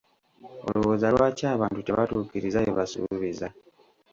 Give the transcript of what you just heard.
Olowooza lwaki abantu tebatuukiriza bye basuubiza?